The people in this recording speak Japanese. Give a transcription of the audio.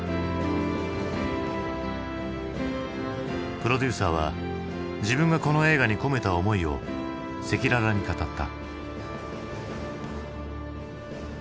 プロデューサーは自分がこの映画に込めた思いを赤裸々に語った。